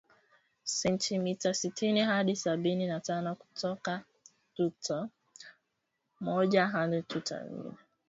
sentimita sitini hadi sabini na tano kutoka tuta moja hadi tuta lingine